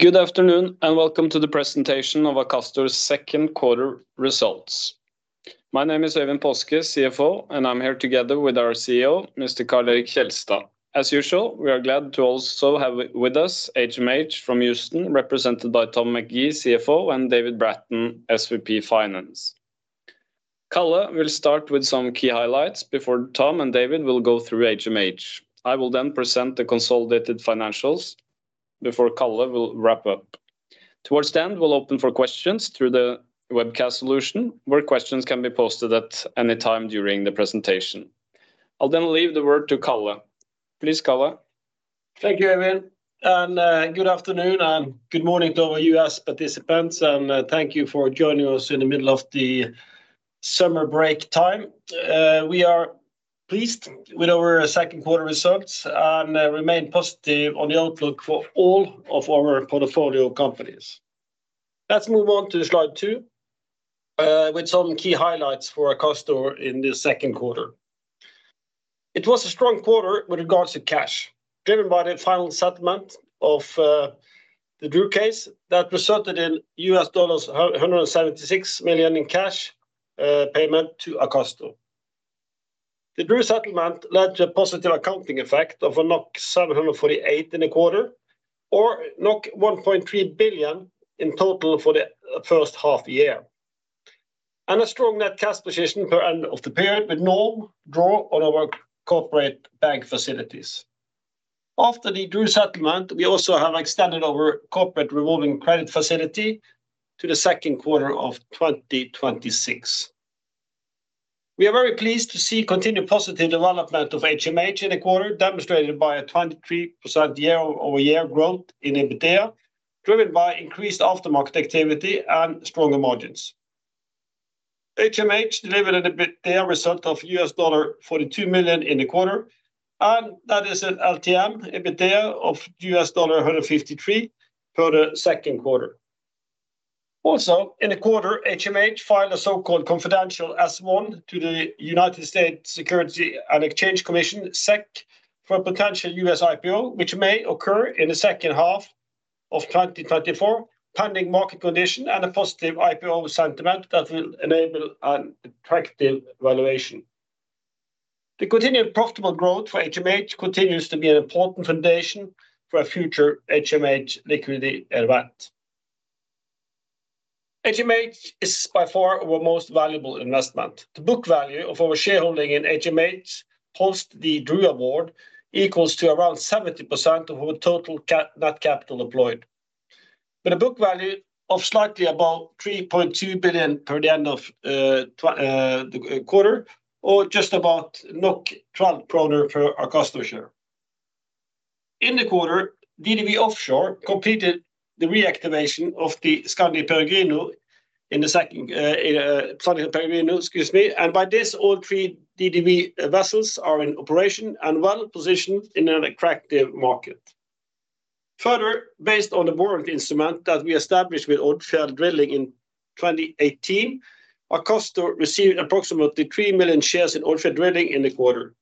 Good afternoon, and welcome to the presentation of Akastor's second quarter results. My name is Øyvind Paaske, CFO, and I'm here together with our CEO, Mr. Karl Erik Kjelstad. As usual, we are glad to also have with us HMH from Houston, represented by Tom McGee, CFO, and David Bratton, SVP Finance. Karl will start with some key highlights before Tom and David will go through HMH. I will then present the consolidated financials before Karl will wrap up. Towards the end, we'll open for questions through the webcast solution, where questions can be posted at any time during the presentation. I'll then leave the word to Karl. Please, Karl. Thank you, Øyvind, and good afternoon and good morning to our U.S. participants, and thank you for joining us in the middle of the summer break time. We are pleased with our second quarter results and remain positive on the outlook for all of our portfolio companies. Let's move on to slide two with some key highlights for Akastor in the second quarter. It was a strong quarter with regards to cash, driven by the final settlement of the DRU case that resulted in $176 million in cash payment to Akastor. The DRU settlement led to a positive accounting effect of 748 million in the quarter, or 1.3 billion in total for the first half year. A strong net cash position per end of the period, with no draw on our corporate bank facilities. After the DRU settlement, we also have extended our corporate revolving credit facility to the second quarter of 2026. We are very pleased to see continued positive development of HMH in the quarter, demonstrated by a 23% year-over-year growth in EBITDA, driven by increased aftermarket activity and stronger margins. HMH delivered an EBITDA result of $42 million in the quarter, and that is an LTM EBITDA of $153 million for the second quarter. Also, in the quarter, HMH filed a so-called confidential S-1 to the United States Securities and Exchange Commission (SEC) for a potential US IPO, which may occur in the second half of 2024, pending market condition and a positive IPO sentiment that will enable an attractive valuation. The continued profitable growth for HMH continues to be an important foundation for a future HMH liquidity event. HMH is by far our most valuable investment. The book value of our shareholding in HMH, post the DRU award, equals to around 70% of our total net capital employed. With a book value of slightly above 3.2 billion as of the end of the quarter, or just about 12 kroner per Akastor share. In the quarter, DDW Offshore completed the reactivation of the Skandi Peregrino in the second quarter, excuse me, and by this, all three DDW vessels are in operation and well-positioned in an attractive market. Further, based on the warrant instrument that we established with Odfjell Drilling in 2018, Akastor received approximately three million shares in Odfjell Drilling in the quarter,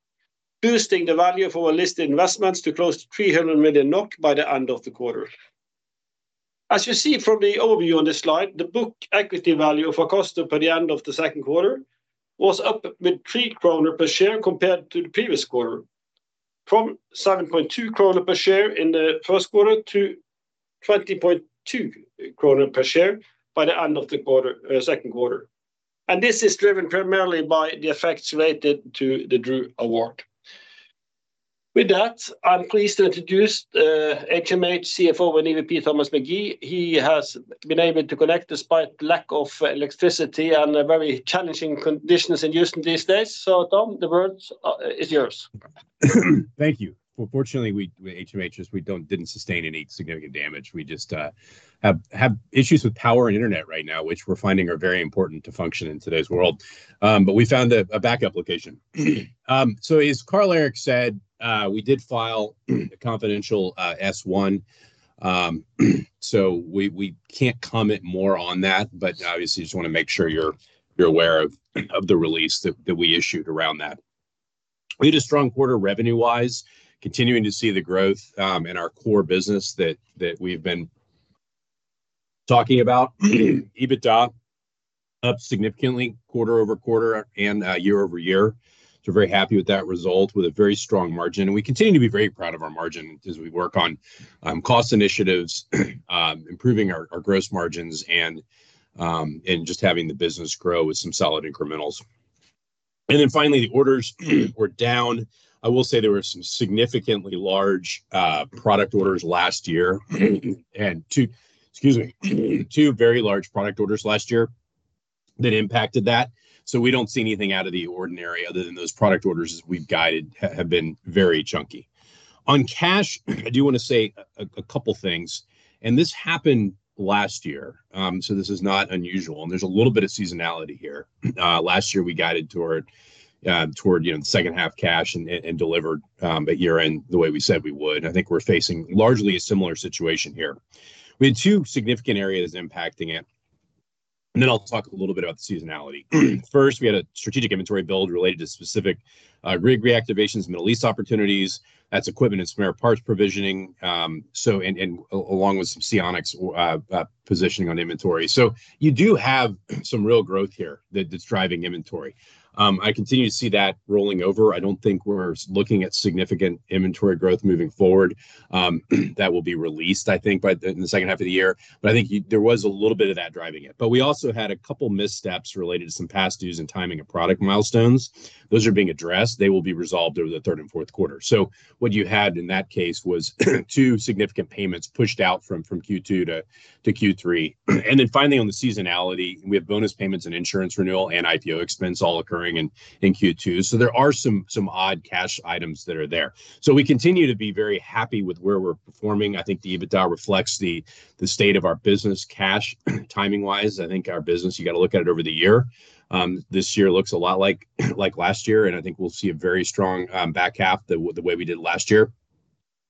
boosting the value of our listed investments to close to 300 million NOK by the end of the quarter. As you see from the overview on this slide, the book equity value of Akastor by the end of the second quarter was up with three kroner per share compared to the previous quarter, from 7.2 kroner per share in the first quarter to 20.2 kroner per share by the end of the quarter, second quarter. This is driven primarily by the effects related to the DRU award. With that, I'm pleased to introduce HMH CFO and EVP, Thomas McGee. He has been able to connect despite lack of electricity and very challenging conditions in Houston these days. So Tom, the word is yours. Thank you. Well, fortunately, we with HMH didn't sustain any significant damage. We just have issues with power and internet right now, which we're finding are very important to function in today's world. But we found a backup location. So as Karl Erik said, we did file a confidential S-1. So we can't comment more on that, but obviously just wanna make sure you're aware of the release that we issued around that. We had a strong quarter revenue-wise, continuing to see the growth in our core business that we've been talking about. EBITDA up significantly quarter-over-quarter and year-over-year. So we're very happy with that result, with a very strong margin. And we continue to be very proud of our margin as we work on cost initiatives, improving our gross margins and just having the business grow with some solid incrementals. And then finally, the orders were down. I will say there were some significantly large product orders last year, and two. Excuse me. Two very large product orders last year that impacted that, so we don't see anything out of the ordinary other than those product orders, as we've guided, have been very chunky. On cash, I do wanna say a couple things, and this happened last year, so this is not unusual, and there's a little bit of seasonality here. Last year, we guided toward you know, the second half cash and delivered at year-end the way we said we would. I think we're facing largely a similar situation here. We had two significant areas impacting it. And then I'll talk a little bit about the seasonality. First, we had a strategic inventory build related to specific rig reactivations, Middle East opportunities. That's equipment and spare parts provisioning, so and along with some Seonix positioning on inventory. So you do have some real growth here that's driving inventory. I continue to see that rolling over. I don't think we're looking at significant inventory growth moving forward that will be released, I think, in the second half of the year. But I think there was a little bit of that driving it. But we also had a couple of missteps related to some past dues and timing of product milestones. Those are being addressed. They will be resolved over the third and fourth quarter. So what you had in that case was two significant payments pushed out from Q2 to Q3. Then finally, on the seasonality, we have bonus payments and insurance renewal and IPO expense all occurring in Q2. So there are some odd cash items that are there. So we continue to be very happy with where we're performing. I think the EBITDA reflects the state of our business, cash, timing-wise. I think our business, you got to look at it over the year. This year looks a lot like last year, and I think we'll see a very strong back half the way we did last year.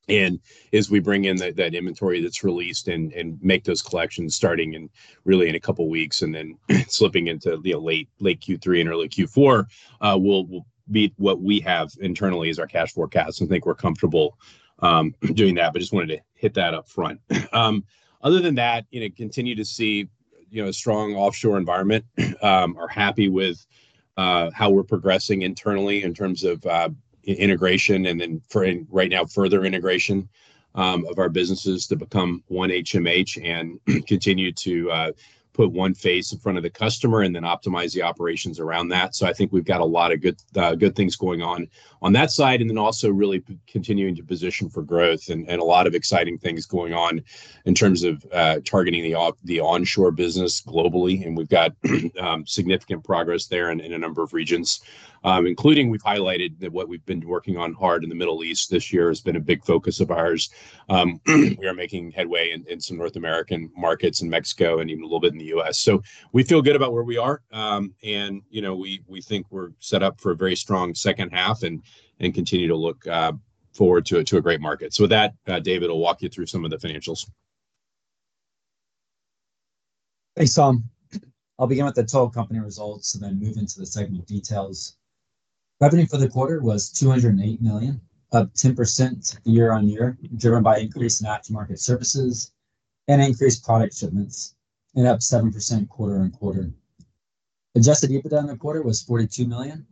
And as we bring in that inventory that's released and make those collections starting in really in a couple of weeks, and then slipping into the late, late Q3 and early Q4, will be what we have internally as our cash forecast, and I think we're comfortable doing that, but just wanted to hit that up front. Other than that, you know, continue to see, you know, a strong offshore environment, are happy with how we're progressing internally in terms of integration, and then for right now, further integration of our businesses to become one HMH and continue to put one face in front of the customer and then optimize the operations around that. So I think we've got a lot of good things going on that side, and then also really continuing to position for growth and a lot of exciting things going on in terms of targeting the onshore business globally. And we've got significant progress there in a number of regions, including. We've highlighted that what we've been working on hard in the Middle East this year has been a big focus of ours. We are making headway in some North American markets, in Mexico, and even a little bit in the U.S. So we feel good about where we are. And, you know, we think we're set up for a very strong second half and continue to look forward to a great market. With that, David will walk you through some of the financials. Hey, Tom. I'll begin with the total company results and then move into the segment details. Revenue for the quarter was 208 million, up 10% year-on-year, driven by increased aftermarket services and increased product shipments, and up 7% quarter-on-quarter. Adjusted EBITDA in the quarter was 42 million,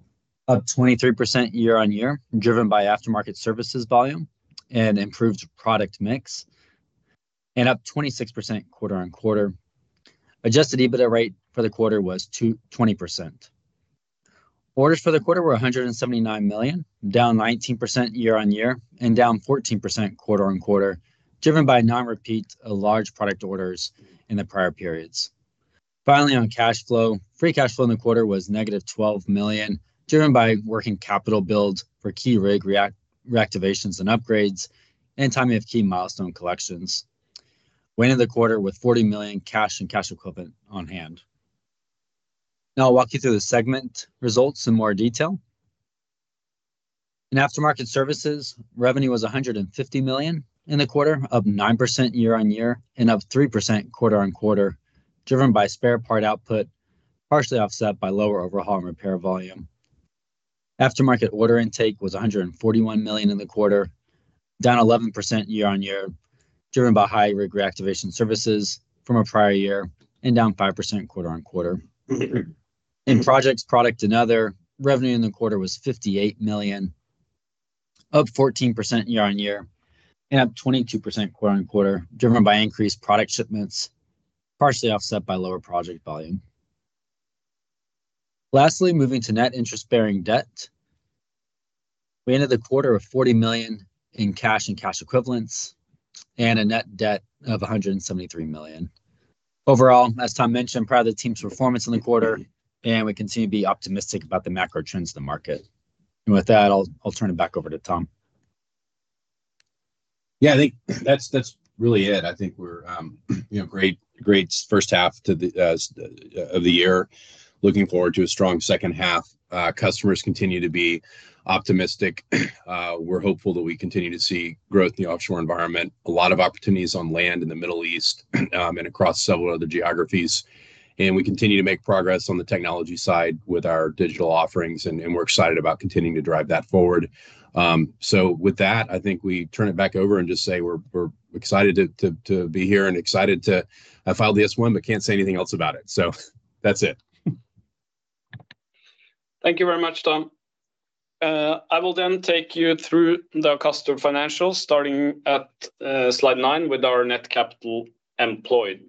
up 23% year-on-year, driven by aftermarket services volume and improved product mix, and up 26% quarter-on-quarter. Adjusted EBITDA rate for the quarter was 20%. Orders for the quarter were 179 million, down 19% year-on-year and down 14% quarter-on-quarter, driven by non-repeat of large product orders in the prior periods. Finally, on cash flow, free cash flow in the quarter was -12 million, driven by working capital build for key rig reactivations and upgrades and timing of key milestone collections. We ended the quarter with 40 million cash and cash equivalent on hand. Now I'll walk you through the segment results in more detail. In aftermarket services, revenue was 150 million in the quarter, up 9% year-on-year and up 3% quarter-on-quarter, driven by spare part output, partially offset by lower overhaul and repair volume. Aftermarket order intake was 141 million in the quarter, down 11% year-on-year, driven by high rig reactivation services from a prior year, and down 5% quarter-on-quarter. In projects, product, and other, revenue in the quarter was 58 million, up 14% year-on-year and up 22% quarter-on-quarter, driven by increased product shipments, partially offset by lower project volume. Lastly, moving to net interest-bearing debt, we ended the quarter of 40 million in cash and cash equivalents and a net debt of 173 million. Overall, as Tom mentioned, proud of the team's performance in the quarter, and we continue to be optimistic about the macro trends in the market. With that, I'll turn it back over to Tom. Yeah, I think that's, that's really it. I think we're, you know, great, great first half of the year. Looking forward to a strong second half. Customers continue to be optimistic. We're hopeful that we continue to see growth in the offshore environment, a lot of opportunities on land in the Middle East, and across several other geographies. We continue to make progress on the technology side with our digital offerings, and, and we're excited about continuing to drive that forward. So with that, I think we turn it back over and just say we're, we're excited to, to, to be here and excited to, file the S-1, but can't say anything else about it. So that's it. Thank you very much, Tom. I will then take you through the Akastor financials, starting at slide 9 with our net capital employed.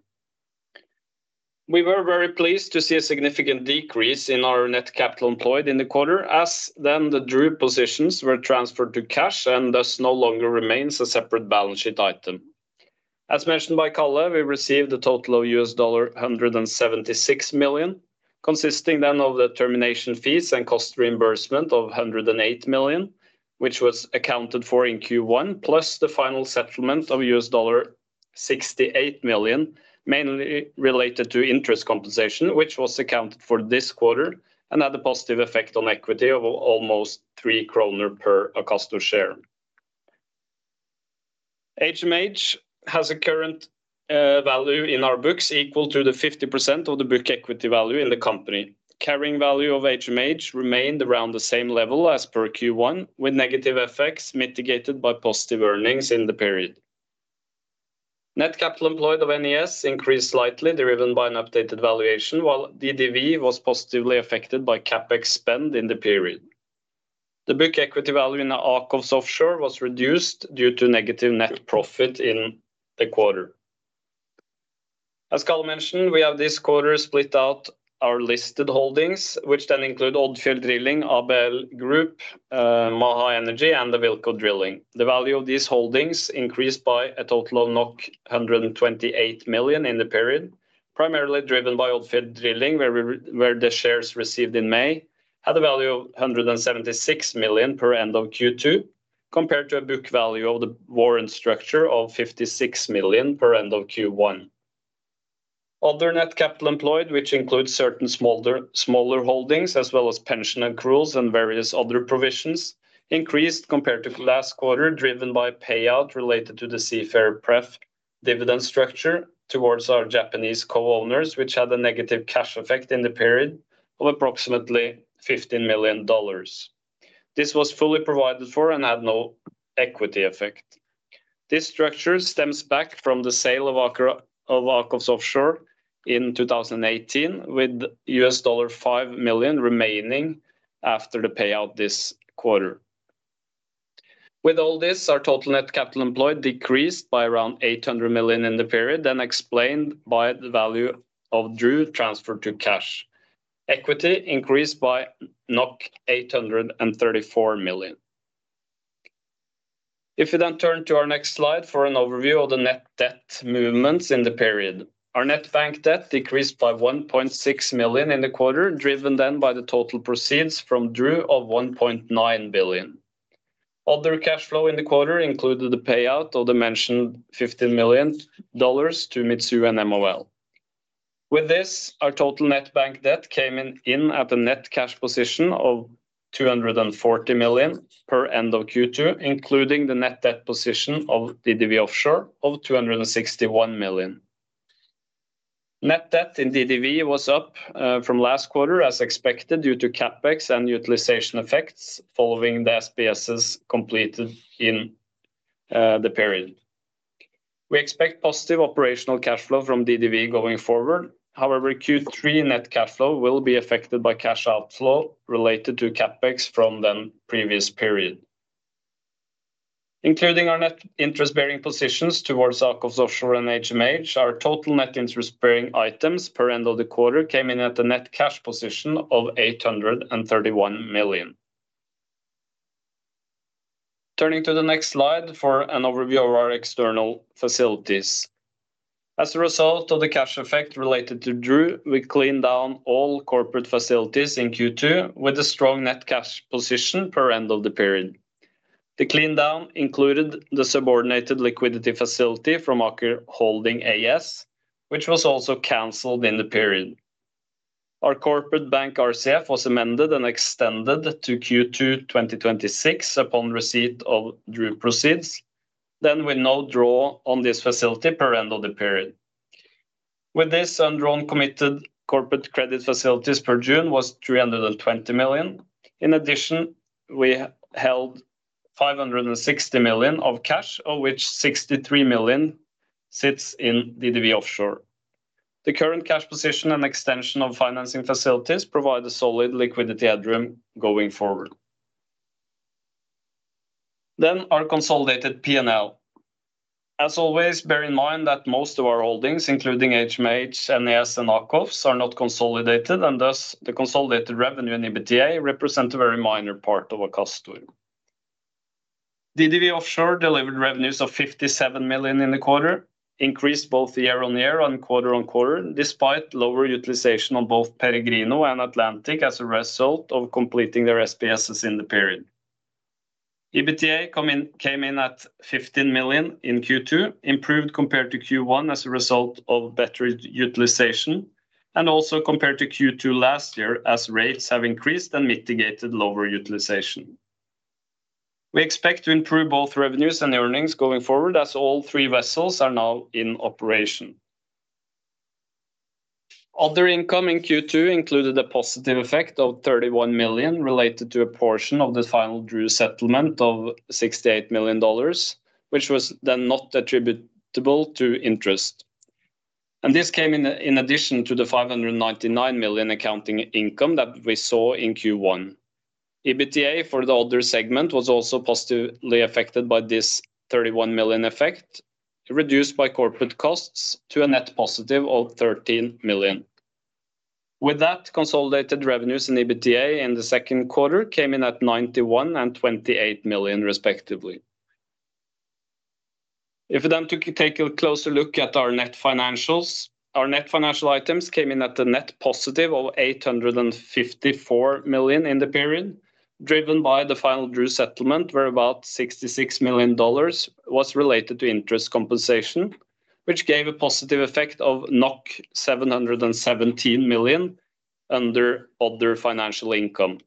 We were very pleased to see a significant decrease in our net capital employed in the quarter, as then the drill positions were transferred to cash and thus no longer remains a separate balance sheet item. As mentioned by Karl, we received a total of $176 million, consisting then of the termination fees and cost reimbursement of $108 million, which was accounted for in Q1, plus the final settlement of $68 million, mainly related to interest compensation, which was accounted for this quarter, and had a positive effect on equity of almost 3 kroner per Akastor share. HMH has a current value in our books equal to the 50% of the book equity value in the company. Carrying value of HMH remained around the same level as per Q1, with negative effects mitigated by positive earnings in the period. Net capital employed of NES increased slightly, driven by an updated valuation, while DDW was positively affected by CapEx spend in the period. The book equity value in the AKOFS Offshore was reduced due to negative net profit in the quarter. As Karl mentioned, we have this quarter split out our listed holdings, which then include Odfjell Drilling, Aker Group, Maha Energy, and the Awilco Drilling. The value of these holdings increased by a total of 128 million in the period, primarily driven by Odfjell Drilling, where the shares received in May had a value of 176 million per end of Q2, compared to a book value of the warrant structure of 56 million per end of Q1. Other net capital employed, which includes certain smaller holdings, as well as pension accruals and various other provisions, increased compared to last quarter, driven by payout related to the Seafarer Pref dividend structure towards our Japanese co-owners, which had a negative cash effect in the period of approximately $15 million. This was fully provided for and had no equity effect. This structure stems back from the sale of Aker, of AKOFS Offshore in 2018, with $5 million remaining after the payout this quarter. With all this, our total net capital employed decreased by around 800 million in the period, then explained by the value of DRU transferred to cash. Equity increased by 834 million. If we then turn to our next slide for an overview of the net debt movements in the period. Our net bank debt decreased by 1.6 million in the quarter, driven then by the total proceeds from DRU of 1.9 billion. Other cash flow in the quarter included the payout of the mentioned $15 million to Mitsui and MOL. With this, our total net bank debt came in at a net cash position of 240 million per end of Q2, including the net debt position of DDW Offshore of 261 million. Net debt in DDW was up from last quarter, as expected, due to CapEx and utilization effects following the SPSs completed in the period. We expect positive operational cash flow from DDW going forward. However, Q3 net cash flow will be affected by cash outflow related to CapEx from the previous period. Including our net interest-bearing positions towards AKOFS Offshore and HMH, our total net interest-bearing items per end of the quarter came in at a net cash position of 831 million. Turning to the next slide for an overview of our external facilities. As a result of the cash effect related to DRU, we cleaned down all corporate facilities in Q2 with a strong net cash position per end of the period. The clean down included the subordinated liquidity facility from Aker Holding AS, which was also canceled in the period. Our corporate bank RCF was amended and extended to Q2 2026, upon receipt of DRU proceeds. We now draw on this facility per end of the period. With this undrawn committed corporate credit facilities per June was 320 million. In addition, we held 560 million of cash, of which 63 million sits in DDW Offshore. The current cash position and extension of financing facilities provide a solid liquidity headroom going forward. Our consolidated P&L. As always, bear in mind that most of our holdings, including HMH, NES, and AKOFS, are not consolidated, and thus, the consolidated revenue in EBITDA represent a very minor part of our cost stream. DDW Offshore delivered revenues of $57 million in the quarter, increased both year-on-year and quarter-on-quarter, despite lower utilization on both Peregrino and Atlantic as a result of completing their SPSs in the period. EBITDA came in at $15 million in Q2, improved compared to Q1 as a result of better utilization, and also compared to Q2 last year, as rates have increased and mitigated lower utilization. We expect to improve both revenues and earnings going forward, as all three vessels are now in operation. Other income in Q2 included a positive effect of $31 million, related to a portion of the final DRU settlement of $68 million, which was then not attributable to interest. This came in, in addition to the $599 million accounting income that we saw in Q1. EBITDA for the other segment was also positively affected by this 31 million effect, reduced by corporate costs to a net positive of 13 million. With that, consolidated revenues and EBITDA in the second quarter came in at 91 million and 28 million respectively. If we then take a closer look at our net financials, our net financial items came in at a net positive of 854 million in the period, driven by the final DRU settlement, where about $66 million was related to interest compensation, which gave a positive effect of 717 million under other financial income.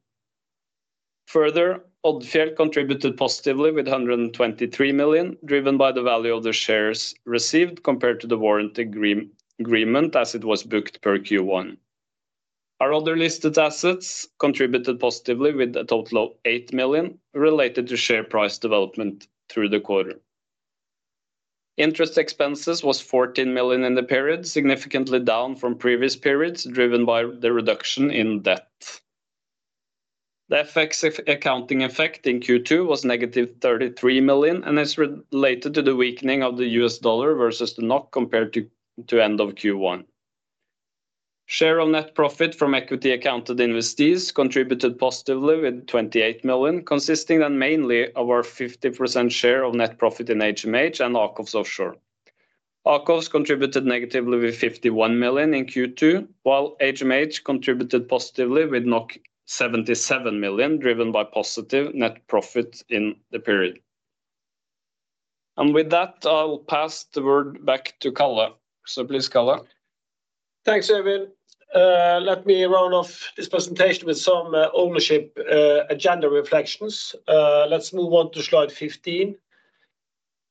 Further, Odfjell contributed positively with 123 million, driven by the value of the shares received compared to the warranty agreement as it was booked per Q1. Our other listed assets contributed positively with a total of 8 million, related to share price development through the quarter. Interest expenses was 14 million in the period, significantly down from previous periods, driven by the reduction in debt. The FX effect in Q2 was negative 33 million, and it's related to the weakening of the US dollar versus the NOK compared to end of Q1. Share of net profit from equity accounted investees contributed positively with 28 million, consisting mainly of our 50% share of net profit in HMH and AKOFS Offshore. AKOFScontributed negatively with 51 million in Q2, while HMH contributed positively with 77 million, driven by positive net profit in the period. And with that, I'll pass the word back to Karl. So please, Karl. Thanks, Øyvind. Let me round off this presentation with some ownership agenda reflections. Let's move on to slide 15.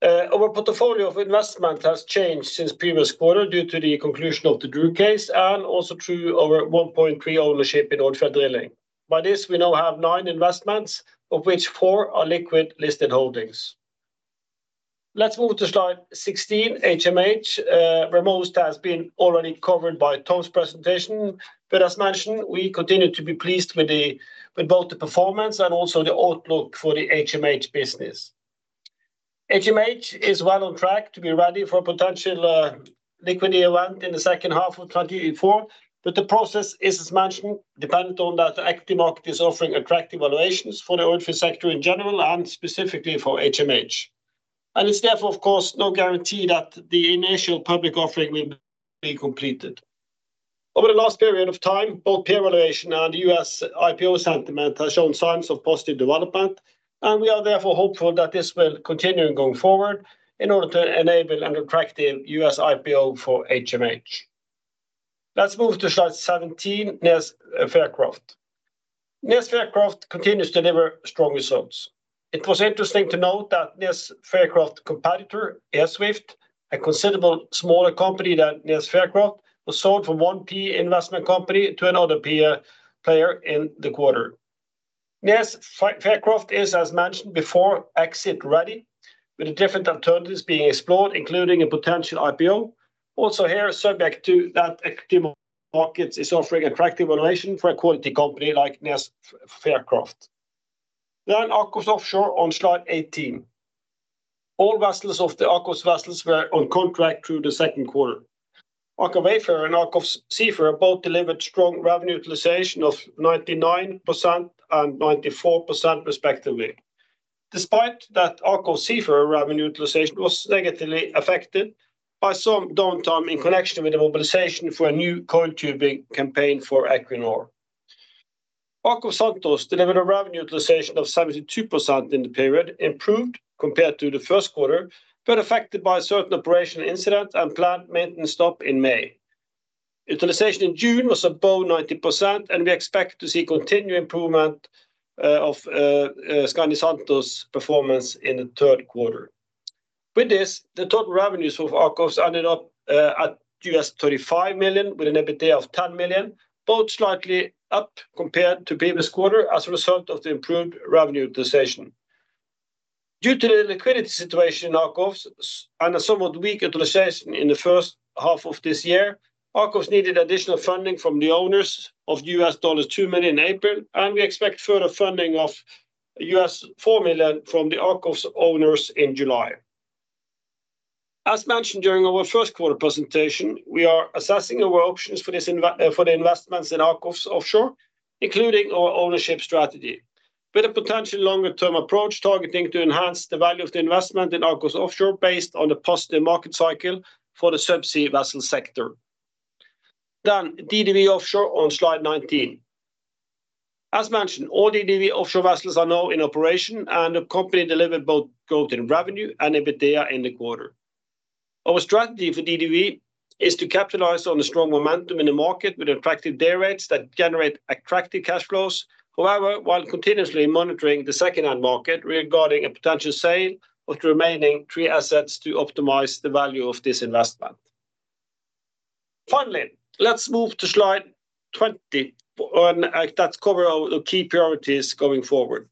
Our portfolio of investment has changed since previous quarter due to the conclusion of the DRU case and also through our 1.3 ownership in Odfjell Drilling. By this, we now have nine investments, of which four are liquid-listed holdings. Let's move to slide 16, HMH. Recently has been already covered by Tom's presentation, but as mentioned, we continue to be pleased with both the performance and also the outlook for the HMH business. HMH is well on track to be ready for a potential liquidity event in the second half of 2024, but the process is, as mentioned, dependent on that the equity market is offering attractive valuations for the Odfjell sector in general and specifically for HMH. It's therefore, of course, no guarantee that the initial public offering will be completed. Over the last period of time, both peer valuation and the US IPO sentiment has shown signs of positive development, and we are therefore hopeful that this will continue going forward in order to enable an attractive US IPO for HMH. Let's move to slide 17, NES Fircroft. NES Fircroft continues to deliver strong results. It was interesting to note that this Fircroft competitor, Airswift, a considerably smaller company than NES Fircroft, was sold from one PE investment company to another PE player in the quarter. NES Fircroft is, as mentioned before, exit-ready, with the different alternatives being explored, including a potential IPO. Also here, subject to that, equity markets is offering attractive valuation for a quality company like NES Fircroft. Now, in AKOFS Offshore on slide 18. All vessels of the AKOFS vessels were on contract through the second quarter. AKOFS Wayfarer and AKOFS Seafarer both delivered strong revenue utilization of 99% and 94% respectively. Despite that, AKOFS Seafarer revenue utilization was negatively affected by some downtime in connection with the mobilization for a new coil tubing campaign for Equinor. AKOFS Santos delivered a revenue utilization of 72% in the period, improved compared to the first quarter, but affected by a certain operational incident and plant maintenance stop in May. Utilization in June was above 90%, and we expect to see continued improvement of Skandi Santos performance in the third quarter. With this, the total revenues of AKOFS ended up at $35 million, with an EBITDA of $10 million, both slightly up compared to previous quarter as a result of the improved revenue utilization. Due to the liquidity situation in AKOFS and a somewhat weak utilization in the first half of this year, AKOFS needed additional funding from the owners of $2 million in April, and we expect further funding of US $4 million from the AKOFS owners in July. As mentioned during our first quarter presentation, we are assessing our options for the investments in AKOFS Offshore, including our ownership strategy, with a potential longer-term approach targeting to enhance the value of the investment in AKOFS Offshore based on the positive market cycle for the subsea vessel sector. Then DDW Offshore on slide 19. As mentioned, all DDW Offshore vessels are now in operation, and the company delivered both growth in revenue and EBITDA in the quarter. Our strategy for DDW is to capitalize on the strong momentum in the market with attractive day rates that generate attractive cash flows. However, while continuously monitoring the secondhand market regarding a potential sale of the remaining three assets to optimize the value of this investment. Finally, let's move to slide 20, and that covers our key priorities going forward.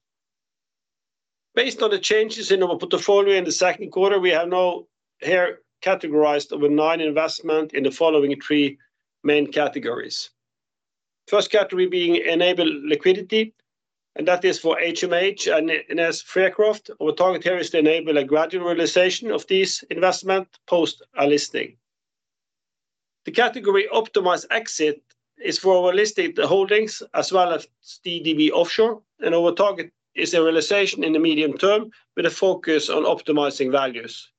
Based on the changes in our portfolio in the second quarter, we have now here categorized our nine investment in the following three main categories. First category being enable liquidity, and that is for HMH and NES Fircroft. Our target here is to enable a gradual realization of this investment post a listing. The category optimized exit is for our listed holdings as well as DDW Offshore, and our target is a realization in the medium term with a focus on optimizing values.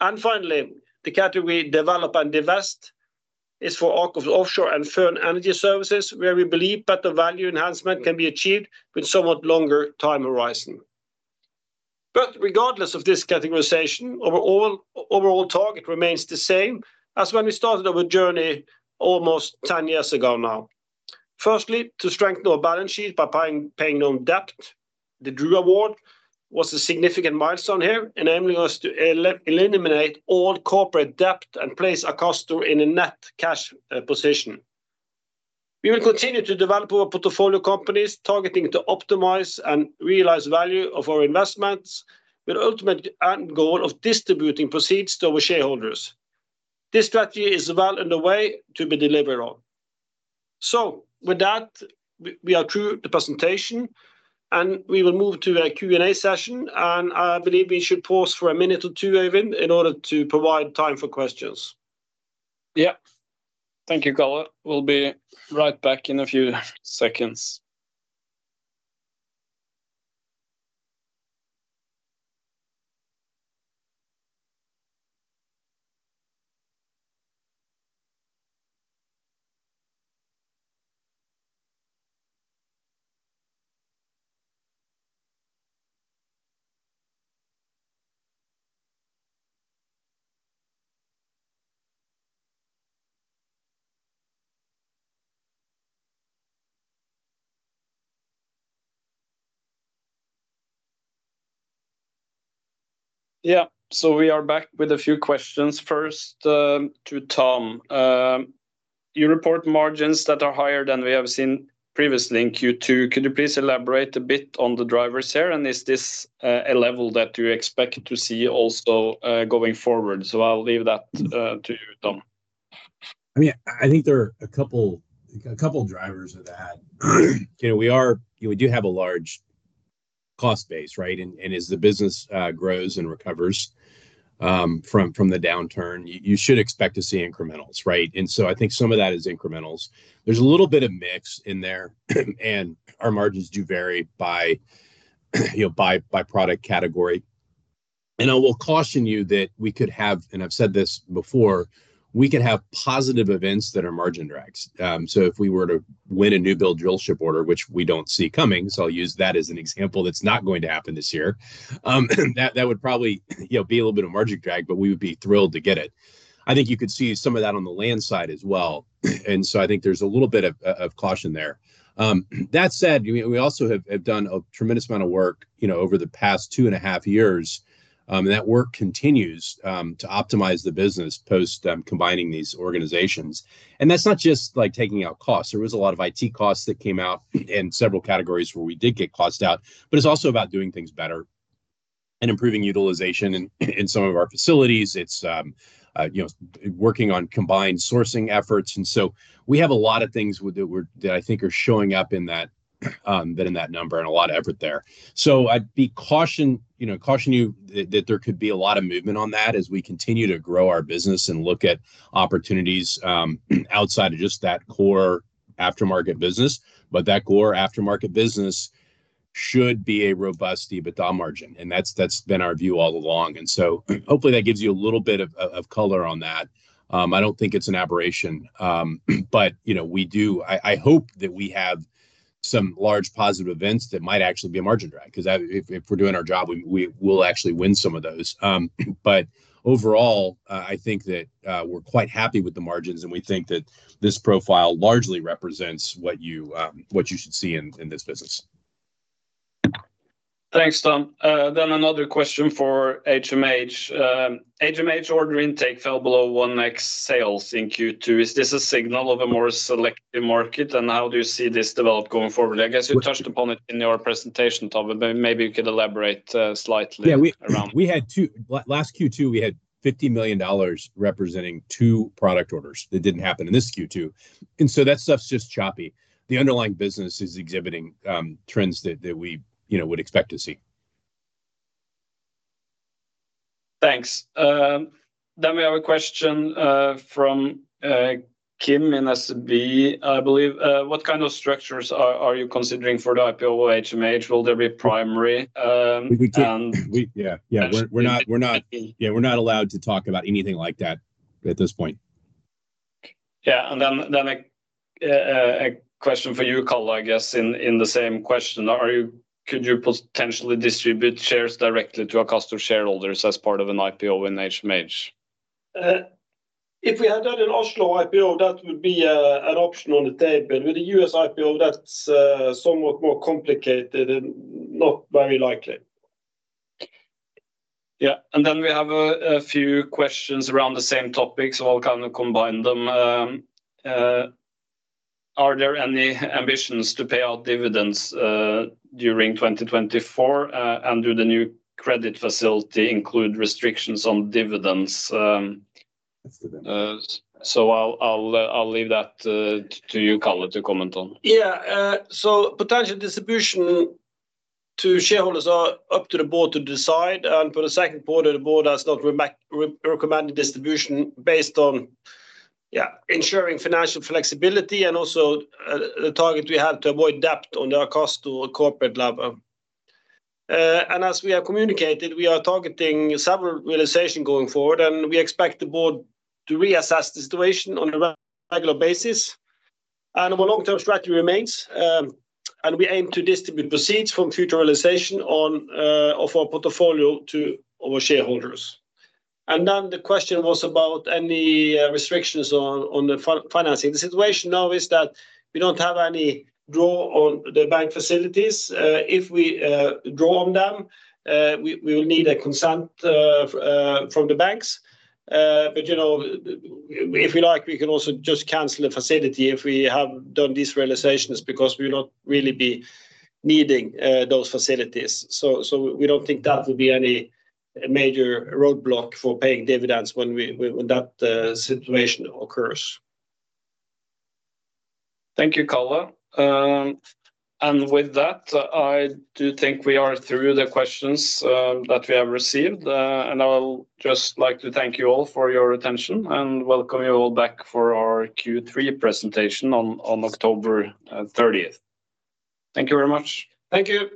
And finally, the category develop and divest is for AKOFS Offshore and Futura Energy Services, where we believe that the value enhancement can be achieved with somewhat longer time horizon. But regardless of this categorization, our overall target remains the same as when we started our journey almost 10 years ago now. Firstly, to strengthen our balance sheet by paying down debt. The DRU award was a significant milestone here, enabling us to eliminate all corporate debt and place Akastor in a net cash position. We will continue to develop our portfolio companies, targeting to optimize and realize value of our investments, with the ultimate end goal of distributing proceeds to our shareholders. This strategy is well underway to be delivered on. So with that, we are through the presentation, and we will move to a Q&A session. I believe we should pause for a minute or two, Øyvind, in order to provide time for questions. Yeah. Thank you, Karl. We'll be right back in a few seconds. Yeah, so we are back with a few questions. First, to Tom. You report margins that are higher than we have seen previously in Q2. Could you please elaborate a bit on the drivers here, and is this a level that you expect to see also going forward? So I'll leave that to you, Tom. I mean, I think there are a couple, a couple drivers of that. You know, we are, we do have a large cost base, right? And, and as the business, grows and recovers, from, from the downturn, you, you should expect to see incrementals, right? And so I think some of that is incrementals. There's a little bit of mix in there, and our margins do vary by, you know, by, by product category. And I will caution you that we could have... and I've said this before, we could have positive events that are margin drags. So if we were to win a new build drillship order, which we don't see coming, so I'll use that as an example, that's not going to happen this year. That would probably, you know, be a little bit of margin drag, but we would be thrilled to get it. I think you could see some of that on the land side as well. And so I think there's a little bit of caution there. That said, we also have done a tremendous amount of work, you know, over the past 2.5 years. And that work continues to optimize the business, post combining these organizations. And that's not just, like, taking out costs. There was a lot of IT costs that came out in several categories where we did get costs out, but it's also about doing things better and improving utilization in some of our facilities. It's, you know, working on combined sourcing efforts, and so we have a lot of things with that that I think are showing up in that, that in that number, and a lot of effort there. So I'd be cautious, you know, caution you that, that there could be a lot of movement on that as we continue to grow our business and look at opportunities, outside of just that core aftermarket business. But that core aftermarket business should be a robust EBITDA margin, and that's, that's been our view all along. And so, hopefully, that gives you a little bit of color on that. I don't think it's an aberration. But, you know, we do... I hope that we have some large positive events that might actually be a margin drag, 'cause if we're doing our job, we will actually win some of those. But overall, I think that we're quite happy with the margins, and we think that this profile largely represents what you what you should see in this business. Thanks, Tom. Then another question for HMH. HMH order intake fell below 1x sales in Q2. Is this a signal of a more selective market, and how do you see this develop going forward? I guess you touched upon it in your presentation, Tom, but maybe you could elaborate, slightly- Yeah- -around... We had last Q2, we had $50 million representing two product orders. That didn't happen in this Q2, and so that stuff's just choppy. The underlying business is exhibiting trends that we, you know, would expect to see. Thanks. Then we have a question from Kim in SV, I believe: What kind of structures are you considering for the IPO of HMH? Will there be primary and- Yeah, we're not allowed to talk about anything like that at this point. Yeah, and then a question for you, Karl, I guess in the same question. Are you--could you potentially distribute shares directly to Akastor shareholders as part of an IPO in HMH? If we had done an Oslo IPO, that would be an option on the table, but with a US IPO, that's somewhat more complicated and not very likely. Yeah, and then we have a few questions around the same topic, so I'll kind of combine them. Are there any ambitions to pay out dividends during 2024? And do the new credit facility include restrictions on dividends? Dividends... so I'll leave that to you, Karl, to comment on. Yeah, so potential distribution to shareholders are up to the board to decide, and for the second quarter, the board has not recommended distribution based on, yeah, ensuring financial flexibility and also, the target we have to avoid debt on the Akastor corporate level. And as we have communicated, we are targeting several realization going forward, and we expect the board to reassess the situation on a regular basis. And our long-term strategy remains, and we aim to distribute proceeds from future realization on, of our portfolio to our shareholders. And then the question was about any, restrictions on, on the financing. The situation now is that we don't have any draw on the bank facilities. If we draw on them, we will need a consent, from the banks. But, you know, if you like, we can also just cancel the facility if we have done these realizations, because we will not really be needing those facilities. So we don't think that will be any major roadblock for paying dividends when that situation occurs. Thank you, Karl. And with that, I do think we are through the questions that we have received. And I would just like to thank you all for your attention and welcome you all back for our Q3 presentation on October 30th. Thank you very much. Thank you.